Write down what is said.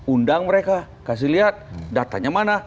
undang mereka kasih lihat datanya mana